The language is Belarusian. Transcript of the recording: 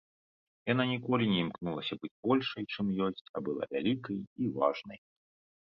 Яна ніколі не імкнулася быць большай, чым ёсць, а была вялікай і важнай.